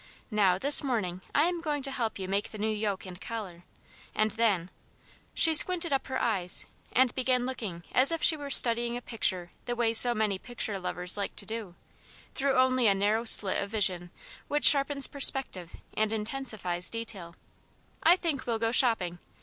"Now, this morning I am going to help you make the new yoke and collar; and then" she squinted up her eyes and began looking as if she were studying a picture the way so many picture lovers like to do, through only a narrow slit of vision which sharpens perspective and intensifies detail "I think we'll go shopping.